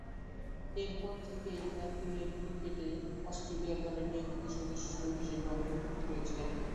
এরপর থেকেই একদিনের ক্রিকেটে অস্ট্রেলিয়া দলের নিয়মিত সদস্য হিসেবে অন্তর্ভুক্ত রয়েছেন।